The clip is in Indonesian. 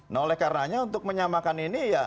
nah oleh karenanya untuk menyamakan ini ya